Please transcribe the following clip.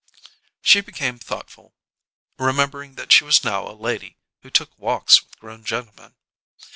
She became thoughtful, remembering that she was now a lady who took walks with grown gentlemen.